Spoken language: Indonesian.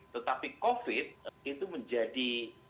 tetapi covid itu menjadi